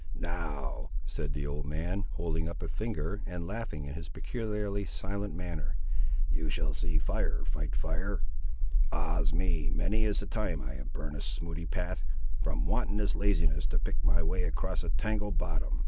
"Now," said the old man, holding up a finger, and laughing in his peculiarly silent manner, "you shall see fire fight fire! Ah's me! many is the time I have burnt a smooty path, from wanton laziness to pick my way across a tangled bottom."